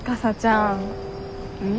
うん？